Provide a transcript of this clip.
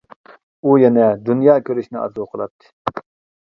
ئۇ يەنە دۇنيا كۆرۈشنى ئارزۇ قىلاتتى.